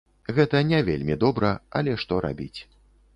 Гэта не вельмі добра, але што рабіць.